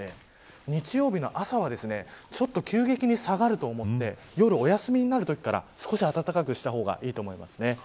日曜日の朝は急激に下がると思って夜、お休みになるときから少し温かくした方がいいと思います。